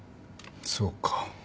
そうか。